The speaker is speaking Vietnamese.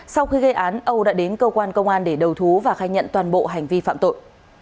sau khi gây án âu đã đến cơ quan công an để đầu thú và khai nhận toàn bộ hành vi phạm tội